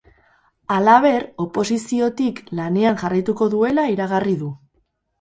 Halaber, oposiziotik lanean jarraituko duela iragarri du.